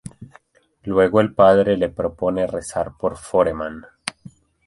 Luego el padre le propone rezar por Foreman.